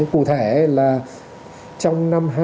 cụ thể là trong năm hai nghìn hai mươi